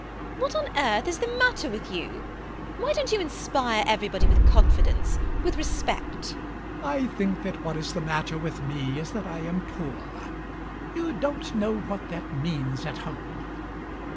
What on earth is the matter with you? Why don't you inspire everybody with confidence? with respect? MAZZINI [humbly]. I think that what is the matter with me is that I am poor. You don't know what that means at home.